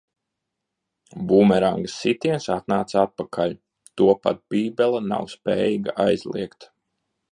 Bumeranga sitiens atnāca atpakaļ. To pat Bībele nav spējīga aizliegt.